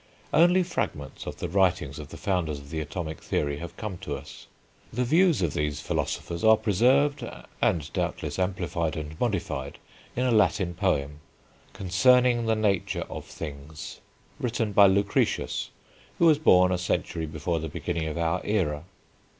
Only fragments of the writings of the founders of the atomic theory have come to us. The views of these philosophers are preserved, and doubtless amplified and modified, in a Latin poem, Concerning the Nature of Things, written by Lucretius, who was born a century before the beginning of our era.